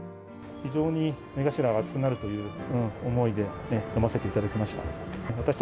非常に目頭が熱くなるという思いで読ませていただきました。